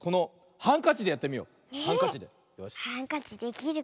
ハンカチできるかなあ。